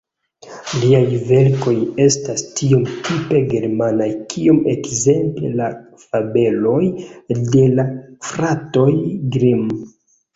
Liaj verkoj estas tiom tipe germanaj kiom ekzemple la fabeloj de la fratoj Grimm.